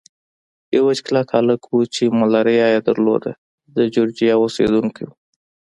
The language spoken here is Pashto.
یو وچ کلک هلک وو چې ملاریا یې درلوده، د جورجیا اوسېدونکی و.